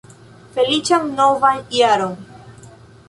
Feliĉan novan jaron!